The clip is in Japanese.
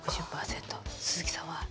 鈴木さんは？